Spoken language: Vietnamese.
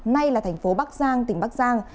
nay là tp bắc giang tỉnh bắc giang